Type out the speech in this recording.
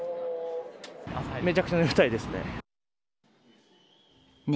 めちゃくちゃ眠たいですね。